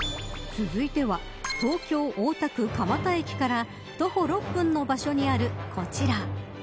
続いては東京、大田区蒲田駅から徒歩６分の場所にある、こちら。